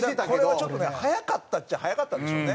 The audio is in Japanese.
これはちょっとね早かったっちゃ早かったんでしょうね。